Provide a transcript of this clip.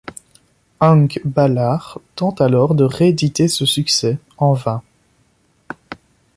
Hank Ballard tente alors de rééditer ce succès en vain.